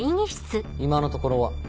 今のところは。